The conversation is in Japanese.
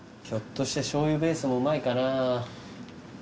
ひょっとしてしょうゆベースもうまいかな。